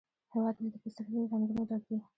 هیواد مې د پسرلي له رنګونو ډک دی